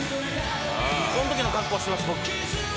「この時の格好してます僕」